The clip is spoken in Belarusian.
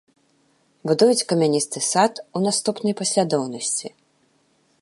Будуюць камяністы сад у наступнай паслядоўнасці.